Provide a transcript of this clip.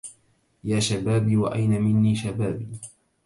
يا شبابي وأين مني شبابي